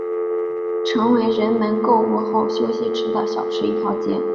成为人们购物后休息吃饭的小吃一条街。